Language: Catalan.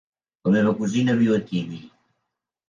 La meva cosina viu a Tibi.